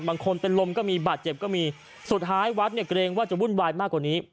บางคนเป็นลมก็มีบาดเจ็บก็มีสุดท้ายวัดเนี่ยเกรงว่าจะวุ่นวายมากกว่านี้